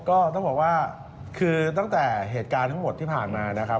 ก็ต้องบอกว่าคือตั้งแต่เหตุการณ์ทั้งหมดที่ผ่านมานะครับ